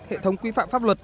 hệ thống quy phạm pháp luật